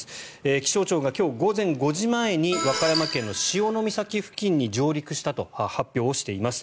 気象庁が今日午前５時前に和歌山県の潮岬付近に上陸したと発表しています。